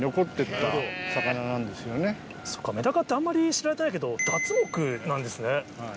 そうかメダカってあんまり知られてないけどダツ目なんですね。